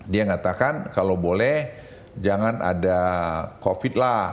dia ngatakan kalau boleh jangan ada covid lah